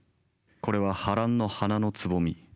これはハランの花のつぼみ。